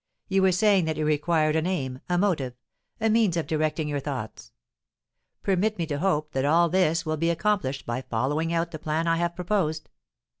you were saying that you required an aim, a motive, a means of directing your thoughts. Permit me to hope that all this will be accomplished by following out the plan I have proposed.